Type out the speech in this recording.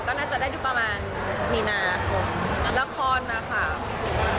ก็น่าจะได้ทุกประมาณมีนาคมละครนะคะ